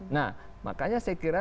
nah makanya saya kira